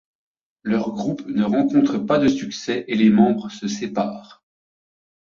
Leur groupe ne rencontre pas de succès et les membres se séparent.